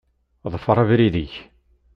Ḍfeṛ abrid-ik.